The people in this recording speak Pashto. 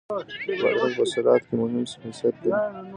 بادرنګ په سلاد کې مهم حیثیت لري.